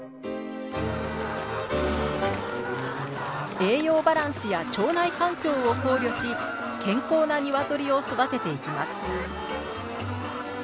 栄養バランスや腸内環境を考慮し健康な鶏を育てていきます